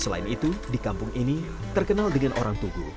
selain itu di kampung ini terkenal dengan orang tugu